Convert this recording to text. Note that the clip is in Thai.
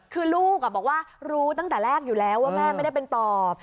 คือลูกบอกว่ารู้ตั้งแต่แรกอยู่แล้วว่าแม่ไม่ได้เป็นปอบ